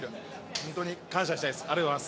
本当に感謝したいです